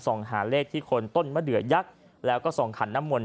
ส่งหาเลขที่คนต้นมาเดือยักษ์แล้วส่งขันนมล